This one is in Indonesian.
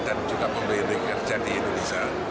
dan juga pembeli beli kerja di indonesia